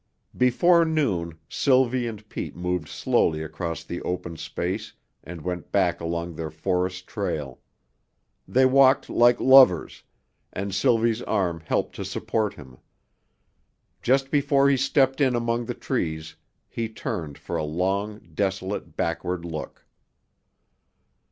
Before noon Sylvie and Pete moved slowly across the open space and went back along their forest trail. They walked like lovers, and Sylvie's arm helped to support him. Just before he stepped in among the trees he turned for a long, desolate, backward look.